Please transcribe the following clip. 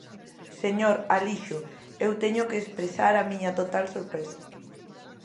Señor Alixo, eu teño que expresar a miña total sorpresa.